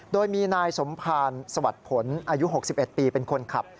โดยมีนายสมภารสวัสดิ์ผลอายุ๖๑ปีเป็นคนขับ